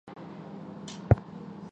乾隆二十九年改湖北巡抚。